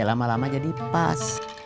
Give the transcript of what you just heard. lama lama jadi pas